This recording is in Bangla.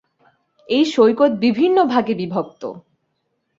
এই সৈকত বিভিন্ন ভাগে বিভক্ত।